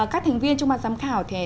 các thành viên trong bàn giám khảo